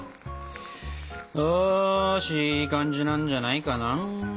よしいい感じなんじゃないかな。